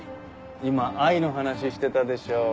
今愛の話してたでしょ？